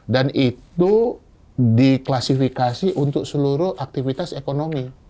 dan itu diklasifikasi untuk seluruh aktivitas ekonomi